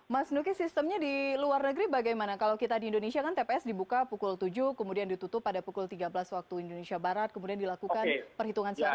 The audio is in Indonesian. mas nuki sistemnya di luar negeri bagaimana kalau kita di indonesia kan tps dibuka pukul tujuh kemudian ditutup pada pukul tiga belas waktu indonesia barat kemudian dilakukan perhitungan suara